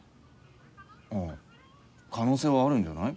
ああ可能性はあるんじゃない？